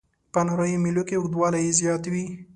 په نریو میلو کې اوږدوالی یې زیات وي.